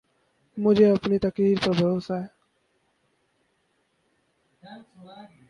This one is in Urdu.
مجھے اپنی تقدیر پر بھروسہ ہے